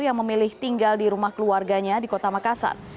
yang memilih tinggal di rumah keluarganya di kota makassar